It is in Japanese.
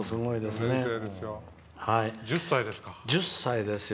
１０歳ですか。